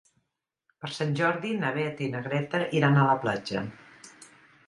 Per Sant Jordi na Beth i na Greta iran a la platja.